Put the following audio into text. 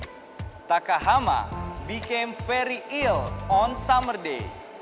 d takahama became very ill on summer day